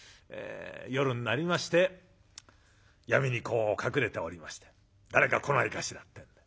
夜になりまして闇にこう隠れておりまして誰か来ないかしらってんで。